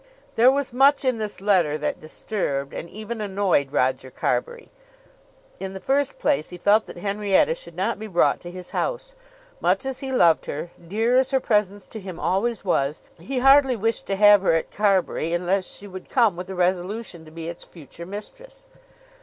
There was much in this letter that disturbed and even annoyed Roger Carbury. In the first place he felt that Henrietta should not be brought to his house. Much as he loved her, dear as her presence to him always was, he hardly wished to have her at Carbury unless she would come with a resolution to be its future mistress.